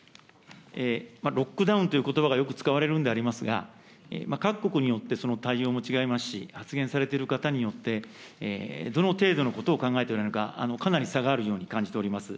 ロックダウンということばがよく使われるんでありますが、各国によって、その対応も違いますし、発言されている方によって、どの程度のことを考えておられるのか、かなり差があるように感じております。